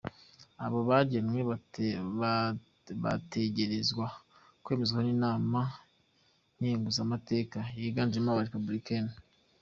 Abo bagenywe bategerezwa kwemezwa n’inama nkenguzamateka yiganjemwo aba republicains.